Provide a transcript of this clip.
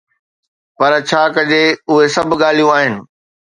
پر ڇا ڪجي، اهي سڀ ڳالهيون آهن.